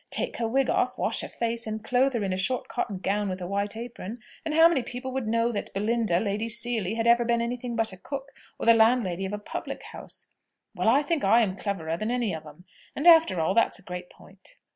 Take her wig off, wash her face, and clothe her in a short cotton gown with a white apron, and how many people would know that Belinda, Lady Seely, had ever been anything but a cook, or the landlady of a public house? Well, I think I am cleverer than any of 'em. And, after all, that's a great point."